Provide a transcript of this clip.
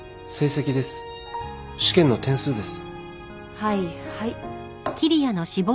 はいはい。